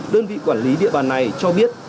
đơn vị quản lý địa bàn này cho biết